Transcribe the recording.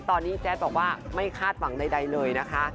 ตอนนี้แจ๊ดบอกว่าไม่คาดหวังใดเลยนะคะ